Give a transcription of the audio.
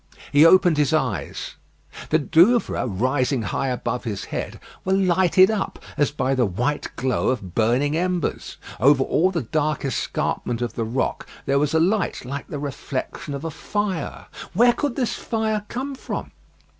He opened his eyes. The Douvres, rising high over his head, were lighted up as by the white glow of burning embers. Over all the dark escarpment of the rock there was a light like the reflection of a fire. Where could this fire come from?